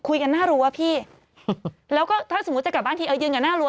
หน้ารั้วพี่แล้วก็ถ้าสมมุติจะกลับบ้านทีเออยืนกันหน้ารั้